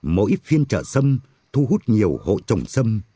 mỗi phiên chợ xâm thu hút nhiều hộ trồng xâm